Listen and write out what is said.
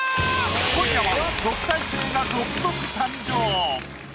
今夜は特待生が続々誕生！